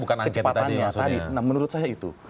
kecepatannya tadi nah menurut saya itu